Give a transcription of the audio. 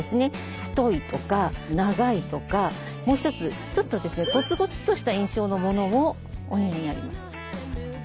太いとか長いとかもう一つちょっとゴツゴツとした印象のものもお似合いになります。